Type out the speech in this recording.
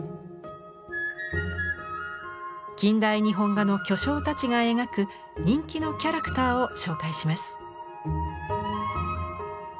近代日本画の巨匠たちが描く人気のキャラクターを紹介します。